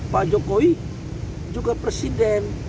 pak jokowi juga presiden